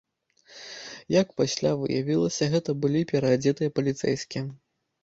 Як пасля выявілася, гэта былі пераадзетыя паліцэйскія.